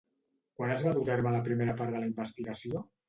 Quan es va dur a terme la primera part de la investigació?